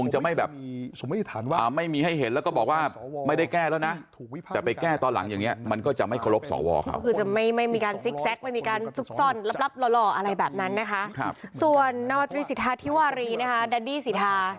หล่ออะไรแบบนั้นนะคะส่วนนวัตรีสิทธาทิวารีดัดดี้สิทธา